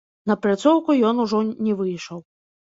На пляцоўку ён ужо не выйшаў.